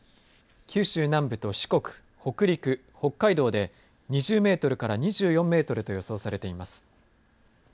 九州南部と四国、北陸北海道で２０メートルから２４メートルと予想されています。